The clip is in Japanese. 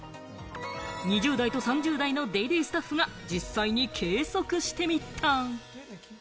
２０代と３０代の『ＤａｙＤａｙ．』スタッフが実際に計測してみた。